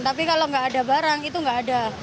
tapi kalau nggak ada barang itu nggak ada